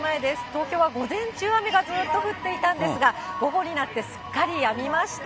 東京は午前中、雨がずっと降っていたんですが、午後になってすっかりやみました。